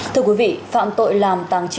thưa quý vị phạm tội làm tàng trị